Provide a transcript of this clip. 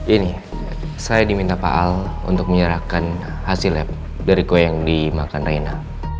ini saya diminta pak al untuk menyerahkan hasil lab dari kue yang dimakan raina